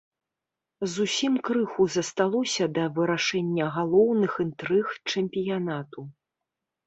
Зусім крыху засталося да вырашэння галоўных інтрыг чэмпіянату.